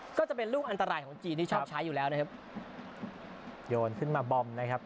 ก็จะเป็นลูกอันตรายของจีนที่ชอบใช้อยู่แล้วนะครับโยนขึ้นมาบอมนะครับ